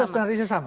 tetap narasinya sama